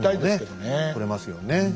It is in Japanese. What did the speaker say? とれますよね。